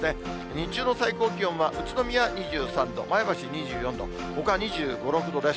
日中の最高気温は、宇都宮２３度、前橋２４度、ほかは２５、６度です。